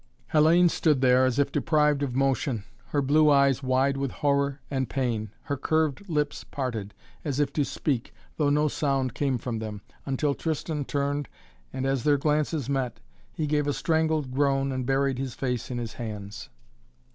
Hellayne stood there as if deprived of motion, her blue eyes wide with horror and pain, her curved lips parted, as if to speak, though no sound came from them, until Tristan turned and, as their glances met, he gave a strangled groan and buried his face in his hands.